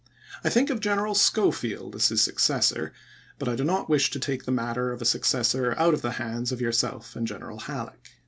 I think of General Schofield as his succes ^., Lincoln sor, but I do not wish to take the matter of a sue ^fay'iiT' cessor out of the hands of yourself and Greneral volxxii!